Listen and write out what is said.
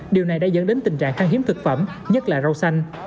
điều này đã dẫn đến tình trạng căng hiếm thực phẩm nhất là rau xanh